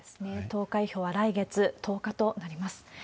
投開票は来月１０日となります。